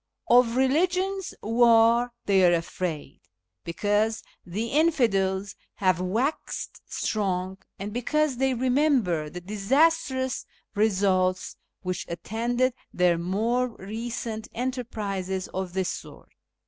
Of Eeligious War they are afraid, because the infidels have waxed strong, and because they remember the disastrous results which attended their more recent enterprises of this sort.